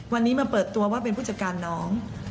วันนี้มาเปิดตัวว่าเป็นผู้จัดการน้อง